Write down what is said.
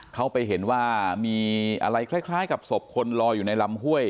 เขาไปเห็นว่ามีอะไรคล้ายกับศพคนลอยอยู่ในลำห้วย